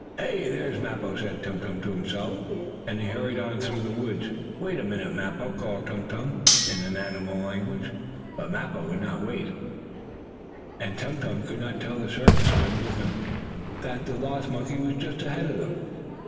"Ha! There is Mappo!" said Tum Tum to himself, and he hurried on through the woods. "Wait a minute, Mappo!" called Tum Tum, in animal language. But Mappo would not wait, and Tum Tum could not tell the circus men with him that the lost monkey was just ahead of them.